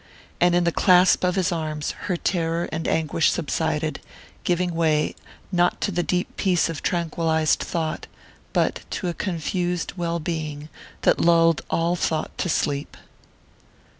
And in the clasp of his arms her terror and anguish subsided, giving way, not to the deep peace of tranquillized thought, but to a confused well being that lulled all thought to sleep.